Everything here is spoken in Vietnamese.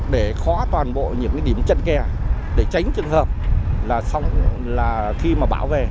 để khóa toàn bộ những cái điểm chân kẻ để tránh trường hợp là khi mà bảo vệ